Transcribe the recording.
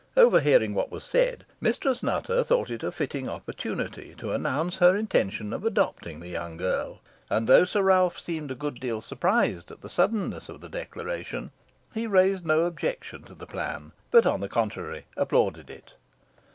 Overhearing what was said, Mrs. Nutter thought it a fitting opportunity to announce her intention of adopting the young girl; and though Sir Ralph seemed a good deal surprised at the suddenness of the declaration, he raised no objection to the plan; but, on the contrary, applauded it.